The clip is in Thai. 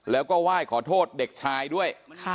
แล้วก็ไหว้ขอโทษเด็กชายด้วย